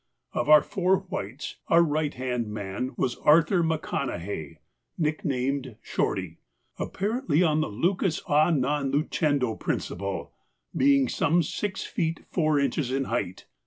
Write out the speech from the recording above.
Of our four whites, our right hand man was Arthur McConnahay, nicknamed Shorty, apparently on the lucus a non lucendo principle, being some six feet four inches in height.